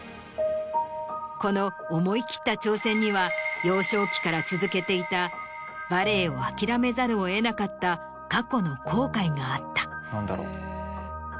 この思い切った挑戦には幼少期から続けていたバレエを諦めざるを得なかった過去の後悔があった。